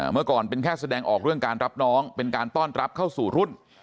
เมื่อก่อนเป็นแค่แสดงออกเรื่องการรับน้องเป็นการต้อนรับเข้าสู่รุ่น